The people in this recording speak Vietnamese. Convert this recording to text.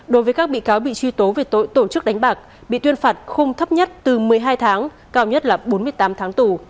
đối với các bị cáo bị truy tố về tội tổ chức đánh bạc bị tuyên phạt khung thấp nhất từ một mươi hai tháng cao nhất là bốn mươi tám tháng tù